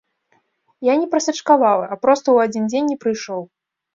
Я не прасачкаваў, а проста ў адзін дзень не прыйшоў.